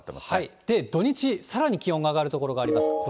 で、土日、さらに気温が上がる所があります。